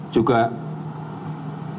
juga selalu ada di jepang